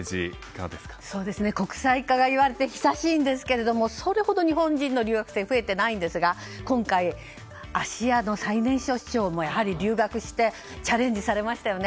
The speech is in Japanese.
国際化がいわれて久しいですがそれほど日本人の留学生は増えていないんですが今回、芦屋の最年少市長も留学してチャレンジされましたよね。